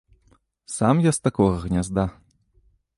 Сам я з такога гнязда.